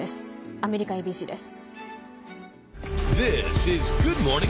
アメリカＡＢＣです。